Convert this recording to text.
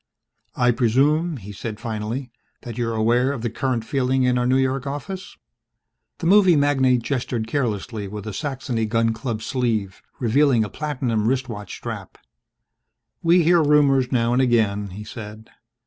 "I presume," he said finally, "that you're aware of the current feeling in our New York office?" The movie magnate gestured carelessly with a Saxony gun club sleeve, revealing a platinum wristwatch strap. "We hear rumors now and again," he said.